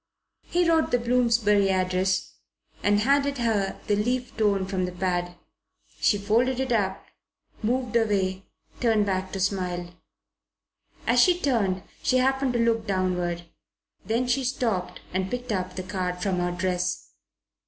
He wrote the Bloomsbury address and handed her the leaf torn from the pad. She folded it up, moved away, turning back to smile. As she turned she happened to look downward; then she stooped and picked the card from her dress.